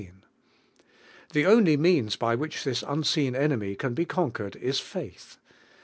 The only means by which this unseen en Piny can be comjuered is faith.